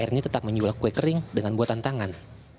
ernie tetap menjual kue kering dengan buatan tangan